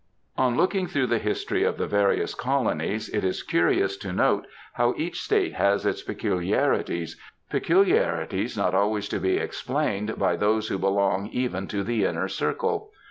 On looking through the history of the various colonies, it is curious to note how each State has its peculiarities, peculiarities not always to be explained by those who belong even to the inner circle.